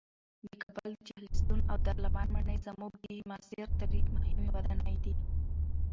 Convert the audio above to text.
د کابل د چهلستون او دارالامان ماڼۍ زموږ د معاصر تاریخ مهمې ودانۍ دي.